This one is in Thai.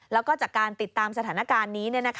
แล้วก็จากการติดตามสถานการณ์นี้